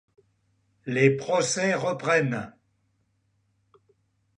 Les procès reprennent.